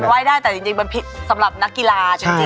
ไหว้ได้แต่จริงมันผิดสำหรับนักกีฬาจริง